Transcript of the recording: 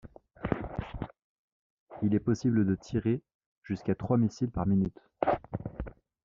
Il est possible de tirer jusqu'à trois missiles par minute.